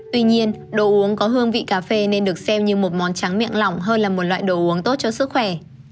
tuy nhiên đồ uống có hương vị cà phê nên được xem như một món trắng miệng lỏng hơn là một loại đồ uống tốt cho sức khỏe